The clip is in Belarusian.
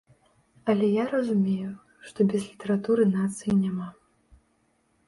Але я разумею, што без літаратуры нацыі няма.